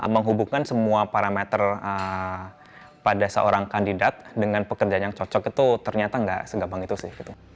menghubungkan semua parameter pada seorang kandidat dengan pekerjaan yang cocok itu ternyata nggak segampang itu sih